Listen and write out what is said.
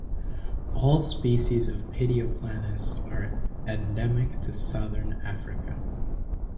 All species of "Pedioplanis" are endemic to southern Africa.